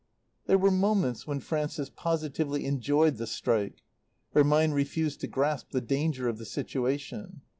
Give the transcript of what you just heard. There were moments when Frances positively enjoyed the strike. Her mind refused to grasp the danger of the situation.